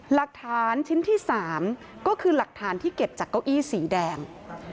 หลักฐานชิ้นที่๓ก็คือหลักฐานที่เก็บจากเก้าอี้สีแดง